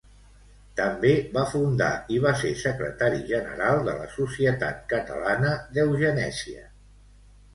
També va fundar i va ser secretari general de la Societat Catalana d'Eugenèsia.